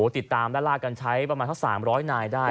ติดตามและลากกันใช้ประมาณสัก๓๐๐นายได้